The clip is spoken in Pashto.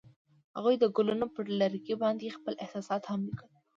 هغوی د ګلونه پر لرګي باندې خپل احساسات هم لیکل.